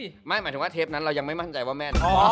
หมายถึงว่าเทปนั้นเรายังไม่มั่นใจว่าแม่ท้อง